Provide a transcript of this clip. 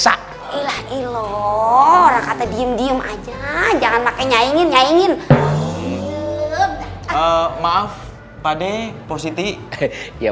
ilah ilor kata diem diem aja jangan pakai nyanyi nyanyi maaf pade positi ya